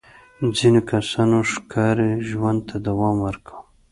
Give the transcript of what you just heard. ځینو کسانو ښکاري ژوند ته دوام ورکاوه.